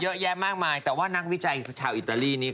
เยอะแยะมากมายแต่ว่านักวิจัยชาวอิตาลีนี้